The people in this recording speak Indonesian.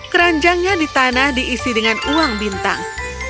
keranjangnya di tanah diisi dengan uang bintang